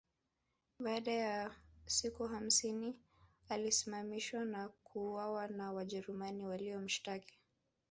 Baada ya siku hamsini alisimamishwa na kuuawa na Wajerumani waliomshtaki